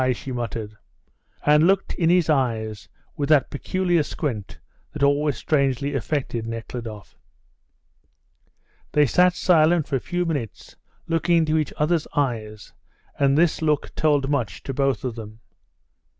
she muttered, and looked in his eyes with that peculiar squint that always strangely affected Nekhludoff. They sat silent for a few minutes looking into each other's eyes, and this look told much to both of them.